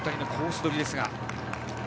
取りですが。